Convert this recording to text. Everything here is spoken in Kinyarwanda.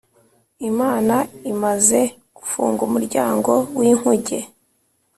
Imana imaze gufunga umuryango w inkuge